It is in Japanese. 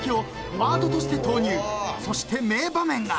［そして名場面が］